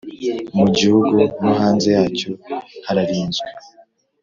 mu Gihugu no hanze yacyo hararinzwe